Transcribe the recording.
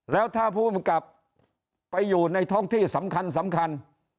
แล้วถ้าผู้กำกับไปอยู่ในท้องที่สำคัญสำคัญ